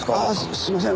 すみません。